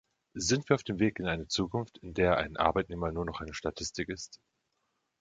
Sind wir auf dem Weg in eine Zukunft, in der ein Arbeitnehmer nur noch eine Statistik ist?